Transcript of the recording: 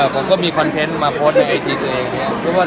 ผมก็มีคอนเทนต์มาโพสต์ในไอจีตัวเอง